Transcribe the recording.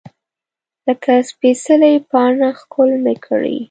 لکه سپیڅلې پاڼه ښکل مې کړې